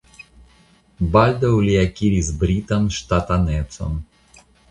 Baldaŭ li akiris britan ŝtatanecon.